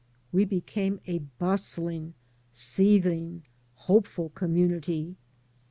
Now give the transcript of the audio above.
We became a bustling, seething, hopeful community.